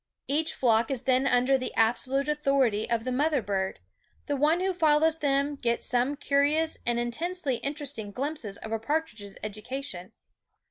Each flock is then under the absolute authority of the mother bird; and one who follows them gets some curious and intensely interesting glimpses of a par tridge's education.